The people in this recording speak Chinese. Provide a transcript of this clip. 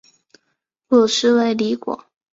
果实为离果。